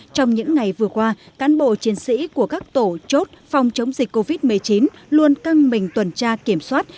trong những ngày vừa qua cán bộ chiến sĩ của các tổ chốt phòng chống dịch covid một mươi chín luôn căng mình tuần tra kiểm soát